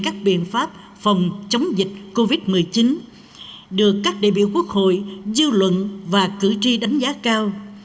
các biện pháp phòng chống dịch covid một mươi chín được các đại biểu quốc hội dư luận và cử tri đánh giá cao